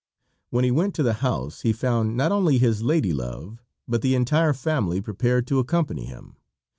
When he went to the house he found not only his lady love but the entire family prepared to accompany him.